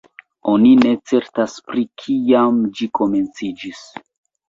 Oni ne certas pri kiam ĝi komenciĝis.